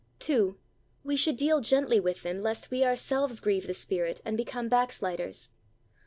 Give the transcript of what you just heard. We should deal gently with them lest we ourselves grieve the Spirit and become backsliders.